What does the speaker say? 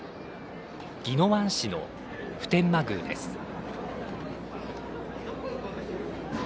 宜野湾市の普天満宮です。